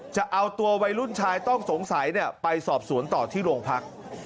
จะเอาตัววัยรุ่นชายต้องสงสัยไปสอบสวนต่อที่โรงพัก